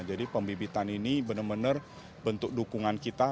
jadi pembibitan ini benar benar bentuk dukungan kita